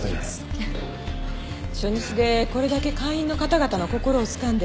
初日でこれだけ会員の方々の心をつかんで。